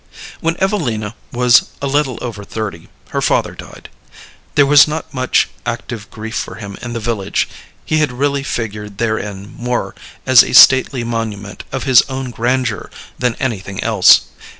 When Evelina was a little over thirty her father died. There was not much active grief for him in the village; he had really figured therein more as a stately monument of his own grandeur than anything else.